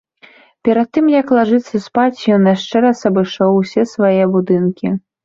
Перад тым як лажыцца спаць, ён яшчэ раз абышоў усе свае будынкі.